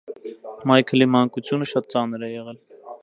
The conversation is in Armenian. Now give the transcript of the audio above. Մայքլի մանկությունը շատ ծանր է եղել։